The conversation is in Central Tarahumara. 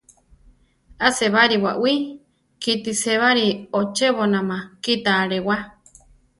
A-sébari baʼwí , kíti sébari ochébonama kíta alewá.